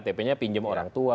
ktpnya pinjem orang tua